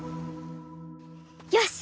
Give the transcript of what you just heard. よし！